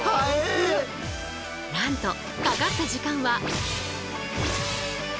なんとかかった時間は。